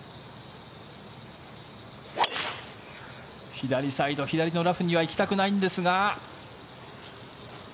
左サイド、左のラフには行きたくないんですが。